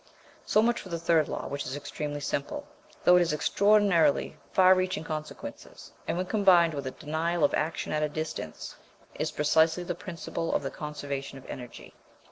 So much for the third law, which is extremely simple, though it has extraordinarily far reaching consequences, and when combined with a denial of "action at a distance," is precisely the principle of the Conservation of Energy.